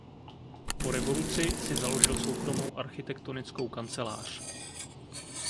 Po revoluci si založil soukromou architektonickou kancelář.